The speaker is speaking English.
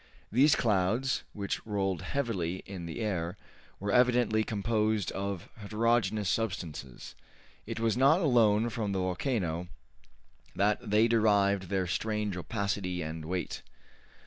These clouds, which rolled heavily in the air, were evidently composed of heterogeneous substances. It was not alone from the volcano that they derived their strange opacity and weight.